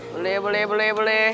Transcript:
boleh boleh boleh boleh